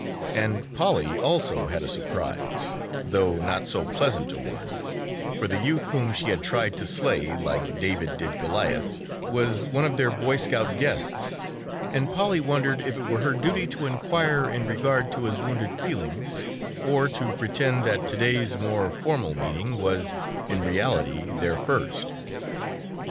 And Polly also had a surprise, though not so pleasant a one, for the youth whom she had tried to slay, like David did Goliath, was one of their Boy Scout guests and Polly wondered if it were her duty to inquire in regard to his wounded feelings or to pretend that to day's more formal meeting was in reality their first?